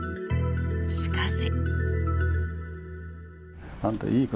しかし。